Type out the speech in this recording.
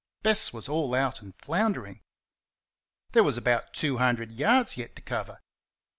Bess was all out and floundering. There was about two hundred yards yet to cover.